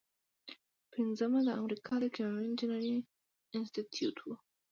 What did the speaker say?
پنځمه د امریکا د کیمیاوي انجینری انسټیټیوټ و.